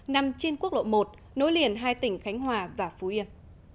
nằm trên quốc lộ một nối liền hai tỉnh khánh hòa và phú yên